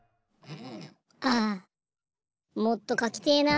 ああもっとかきてえな。